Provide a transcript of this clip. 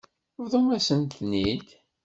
Bḍumt-asen-ten-id.